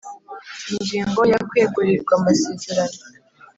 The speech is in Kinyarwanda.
Ingingo ya kwegurirwa amasezerano